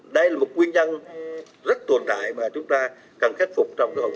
đây là một nguyên nhân